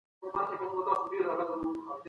واکمن بايد د خپلو پرېکړو مسووليت ومني.